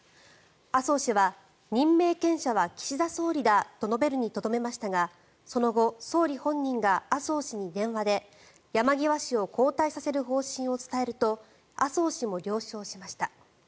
麻生氏は任命権者は岸田総理だと述べるにとどめましたがその後、総理本人が麻生氏に電話で山際氏を交代させる方針を伝えると麻生氏も了承しました。